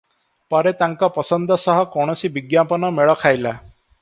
ପରେ ତାଙ୍କ ପସନ୍ଦ ସହ କୌଣସି ବିଜ୍ଞାପନ ମେଳଖାଇଲା ।